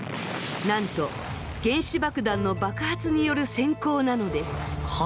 なんと原子爆弾の爆発による閃光なのです。